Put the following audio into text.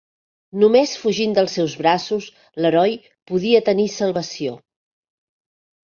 Només fugint dels seus braços, l'heroi podia tenir salvació.